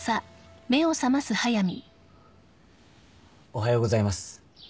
おはようございます。